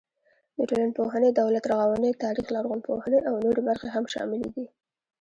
د ټولنپوهنې، دولت رغونې، تاریخ، لرغونپوهنې او نورې برخې هم شاملې دي.